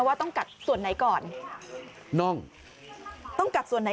ใช่จนกระทั่งน้อนสุดนะฮะ